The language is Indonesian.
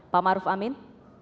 pak maruf amin